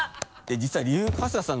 実は理由春日さん